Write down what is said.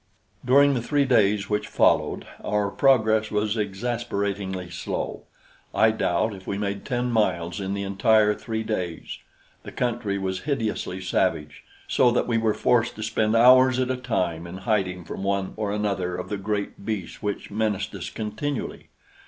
During the three days which followed, our progress was exasperatingly slow. I doubt if we made ten miles in the entire three days. The country was hideously savage, so that we were forced to spend hours at a time in hiding from one or another of the great beasts which menaced us continually.